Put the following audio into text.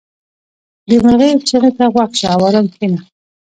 • د مرغیو چغې ته غوږ شه او آرام کښېنه.